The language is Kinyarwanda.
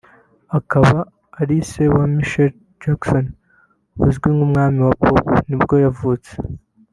akaba ari se wa Michael Jackson uzwi nk’umwami wa Pop nibwo yavutse